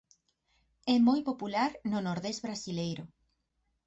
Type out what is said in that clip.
É moi popular no nordés brasileiro.